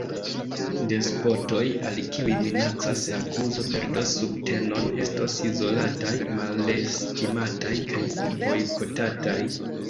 Despotoj, al kiuj minacas akuzo, perdos subtenon, estos izolataj, malestimataj kaj bojkotataj.